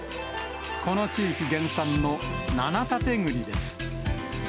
この地域原産の七立栗です。